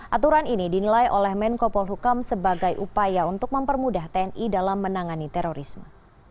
aturan ini dinilai oleh menko polhukam sebagai upaya untuk mempermudah tni dalam menangani terorisme